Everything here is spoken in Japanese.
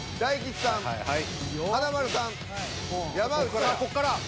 さあこっから。